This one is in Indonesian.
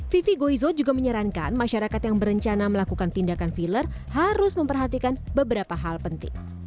vivi goizo juga menyarankan masyarakat yang berencana melakukan tindakan filler harus memperhatikan beberapa hal penting